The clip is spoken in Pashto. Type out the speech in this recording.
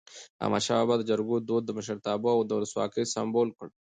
احمد شاه بابا د جرګو دود د مشرتابه او ولسواکی سمبول کړ.